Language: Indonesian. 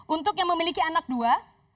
untuk yang memiliki anak dua